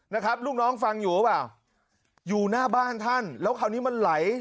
นะครับลูกน้องฟังอยู่หรือเปล่าอยู่หน้าบ้านท่านแล้วคราวนี้มันไหล